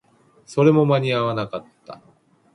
それも間に合わなかった